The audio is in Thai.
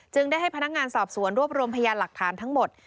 ได้ให้พนักงานสอบสวนรวบรวมพยานหลักฐานทั้งหมด